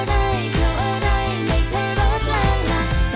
สามารถรับชมได้ทุกวัย